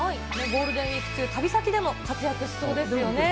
ゴールデンウィーク中、旅先でも活躍しそうですよね。